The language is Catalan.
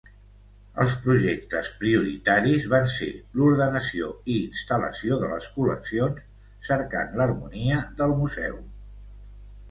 Els projectes prioritaris van ser l’ordenació i instal·lació de les col·leccions, cercant l’harmonia del museu.